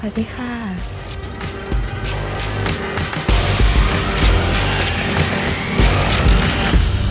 สวัสดีค่ะ